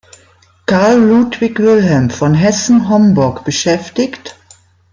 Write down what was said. Karl Ludwig Wilhelm von Hessen-Homburg beschäftigt.